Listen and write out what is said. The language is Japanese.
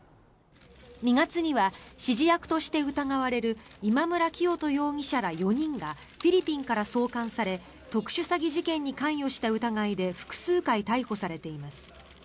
２月には指示役として疑われる今村磨人容疑者ら４人がフィリピンから送還され特殊詐欺事件に関与した疑いで複数回逮捕されています。